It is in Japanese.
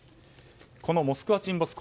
この「モスクワ」沈没